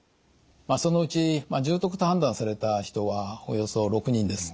そのうち重篤と判断された人はおよそ６人です。